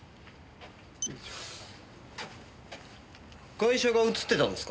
ガイ者が映ってたんですか？